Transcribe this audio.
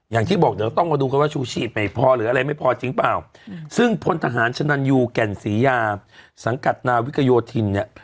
อย่างที่บอกเดี๋ยวต้องมาดูกันว่าชูชีพไม่พอหรืออะไรไม่พอจริงเปล่าซึ่งพลทหารชนันยูแก่นศรียาสังกัดนาวิกโยธินเนี่ย